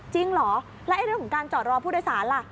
เหรอแล้วเรื่องของการจอดรอผู้โดยสารล่ะ